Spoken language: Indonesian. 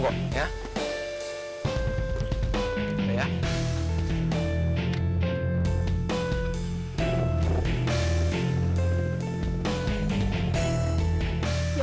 kalau lo di depan emas